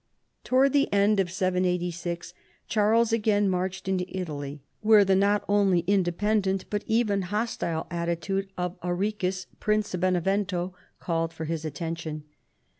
Towards the end of 786 Charles again marched into Italy, where the not only independent but even hostile attitude of Arichis, Prince of Benevento called for his attention.